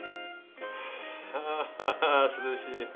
あ涼しい。